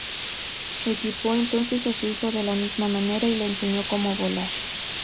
Equipó entonces a su hijo de la misma manera, y le enseñó cómo volar.